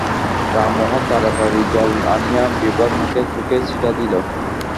রামমোহন তাড়াতাড়ি জল আনিয়া বিভার মুখে-চোখে ছিটা দিল।